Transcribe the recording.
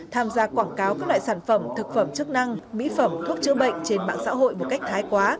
tham gia quảng cáo các loại sản phẩm thực phẩm chức năng mỹ phẩm thuốc chữa bệnh trên mạng xã hội một cách thái quá